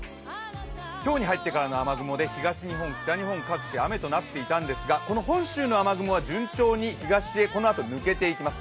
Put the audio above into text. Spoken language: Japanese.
今日に入ってからの雨雲で東日本、北日本各地雨となっていたんですが、この本州の雨雲は順調に東にこのあと抜けていきます。